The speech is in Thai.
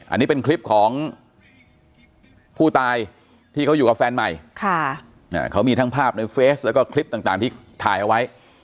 อันนี้เป็นคลิปของผู้ตายที่เขาอยู่กับแฟนใหม่เขามีทั้งภาพในเฟสแล้วก็คลิปต่างที่ถ่ายเอาไว้